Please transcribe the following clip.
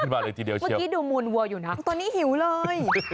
เมื่อกี้ดูมูลวัวอยู่นะตอนนี้หิวเลย